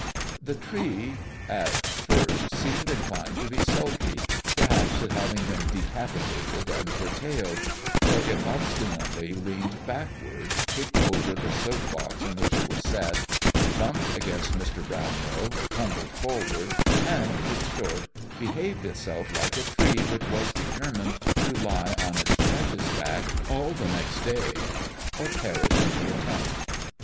The tree seemed at first inclined to be sulky, perhaps at having been decapitated and curtailed; for it obstinately leaned backward, kicked over the soapbox in which it was set, bumped against Mr. Brownlow, tumbled forward, and in short, behaved itself like a tree which was determined to lie on its precious back all the next day, or perish in the attempt.